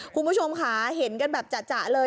คุณผู้ชมค่ะเห็นกันแบบจ่ะเลย